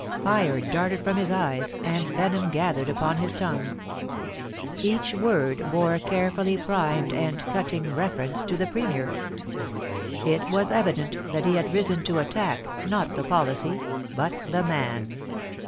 Fire darted from his eyes, and venom gathered upon his tongue. Each word bore a carefully primed and cutting reference to the Premier. It was evident that he had risen to attack, not the policy, but the man.